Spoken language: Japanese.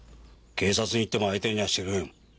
警察に行っても相手にはしてくれん。